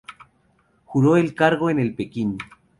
Juró el cargo el en Pekín.